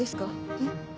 えっ？